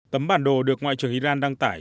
tấm bản đồ được ngoại trưởng iran đăng tải